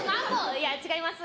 いや違います。